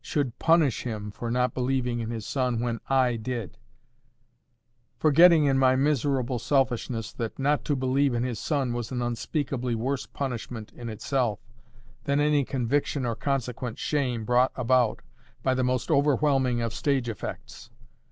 —should PUNISH him for not believing in his son when I did; forgetting in my miserable selfishness that not to believe in his son was an unspeakably worse punishment in itself than any conviction or consequent shame brought about by the most overwhelming of stage effects.